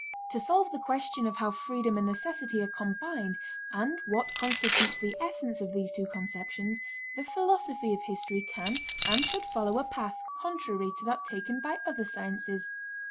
To solve the question of how freedom and necessity are combined and what constitutes the essence of these two conceptions, the philosophy of history can and should follow a path contrary to that taken by other sciences.